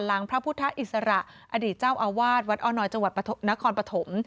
พระพุทธอิสระอดีตเจ้าอาวาสวัดอ้อน้อยจังหวัดนครปฐม